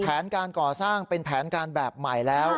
แผนการก่อสร้างเป็นแผนการแบบใหม่แล้ว